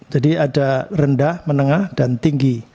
ada rendah menengah dan tinggi